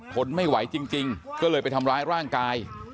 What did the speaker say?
ทนไม่ไหวจริงก็เลยไปทำร้ายร่างกาย